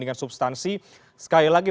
dengan substansi sekali lagi